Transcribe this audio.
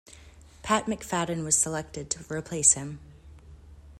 Pat McFadden was selected to replace him.